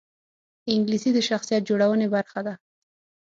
انګلیسي د شخصیت جوړونې برخه ده